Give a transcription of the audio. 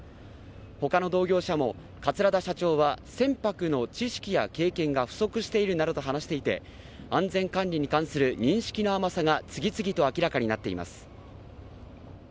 他の同業者も桂田社長は船舶の知識や経験が不足しているなどと話していて安全管理に関する認識の甘さが次々と明らかになっています。